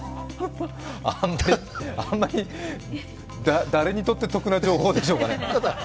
あんまり誰にとって得な情報でしょうかね。